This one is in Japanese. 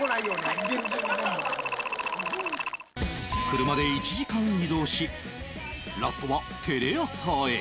車で１時間移動しラストはテレ朝へ